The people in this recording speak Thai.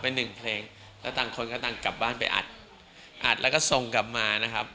เป็นหนึ่งเพลงแล้วต่างคนก็ต่างกลับบ้านไปอัดอัดแล้วก็ส่งกลับมานะครับ